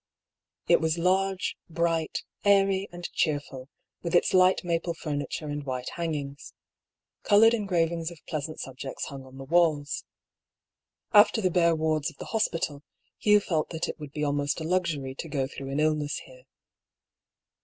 It was large, bright, airy, and cheerful, with its light maple furniture and white hangings. Coloured engrav ings of pleasant subjects hung on the walls. After the A MORAL DUEL. 61 bare wards of the hospital, Hugh felt that it would be almost a luxury to go through an illness here.